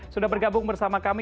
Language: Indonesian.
sudah bergabung bersama kami